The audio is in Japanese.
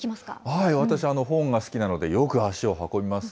はい、私本が好きなので、よく足を運びます。